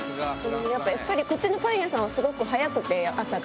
やっぱり、こっちのパン屋さんは、すごく早くて、朝が。